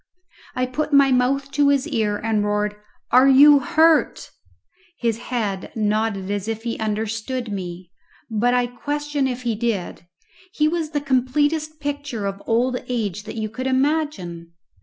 I put my mouth to his ear and roared, "Are you hurt?" His head nodded as if he understood me, but I question if he did. He was the completest picture of old age that you could imagine.